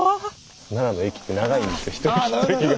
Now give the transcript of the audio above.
奈良の駅って長いんですよ